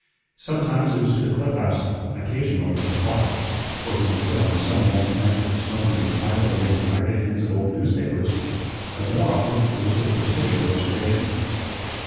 Sometimes it was to the Cliff House, occasionally to the Park (where he would sit on the sun warmed benches, smoking his pipe and reading ragged ends of old newspapers), but more often it was to the Presidio Reservation.